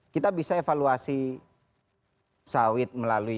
kita bisa evaluasi sawit melalui